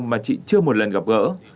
mà chị chưa một lần gặp gỡ